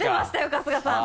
春日さん。